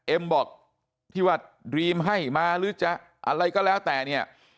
เอ็มบอกที่ว่าดรีมให้มาหรือจะอะไรก็แล้วแต่เนี่ย